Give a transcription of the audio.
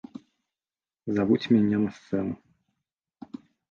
Завуць мяне на сцэну.